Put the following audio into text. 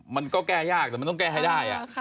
มันก็แก้ยากแต่มันต้องแก้ให้ได้